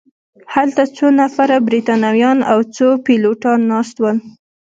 هلته څو نفره بریتانویان او څو پیلوټان ناست ول.